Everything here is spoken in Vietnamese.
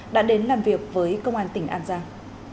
đã đến làm việc với công an tỉnh an giang